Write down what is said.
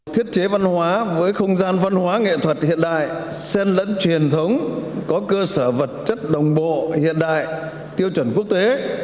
thiết chế văn hóa với không gian văn hóa nghệ thuật hiện đại sen lẫn truyền thống có cơ sở vật chất đồng bộ hiện đại tiêu chuẩn quốc tế